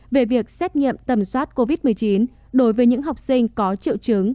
về việc xét nghiệm tầm soát covid một mươi chín đối với những học sinh có triệu chứng